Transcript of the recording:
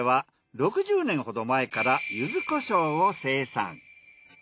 ６０年ほど前から柚子胡椒を生産。